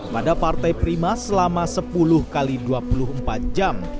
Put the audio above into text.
pada partai prima selama sepuluh x dua puluh empat jam